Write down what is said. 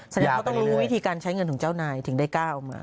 แสดงว่าเขาต้องรู้วิธีการใช้เงินของเจ้านายถึงได้กล้าออกมา